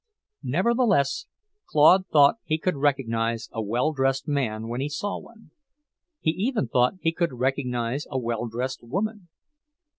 Nevertheless, Claude thought he could recognize a well dressed man when he saw one. He even thought he could recognize a well dressed woman.